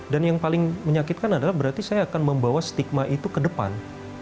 dan yang paling menyakitkan adalah berarti saya akan membawa stigma itu ke depan